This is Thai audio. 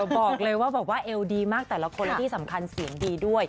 บอกเลยว่าบอกว่าเอวดีมากแต่ละคนและที่สำคัญเสียงดีด้วย